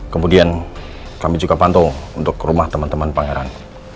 kemudian kami juga pantau untuk ke rumah teman teman pangeran